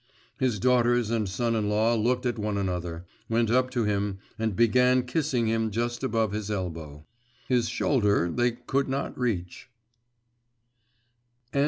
His daughters and son in law looked at one another, went up to him and began kissing him just above his elbow. His shoulder they could not reach.